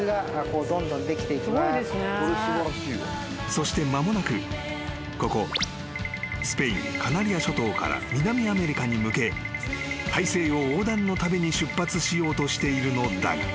［そして間もなくここスペインカナリア諸島から南アメリカに向け大西洋横断の旅に出発しようとしているのだが］